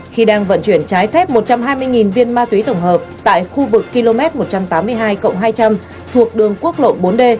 khi đang vận chuyển trái phép một trăm hai mươi viên ma túy tổng hợp tại khu vực km một trăm tám mươi hai hai trăm linh thuộc đường quốc lộ bốn d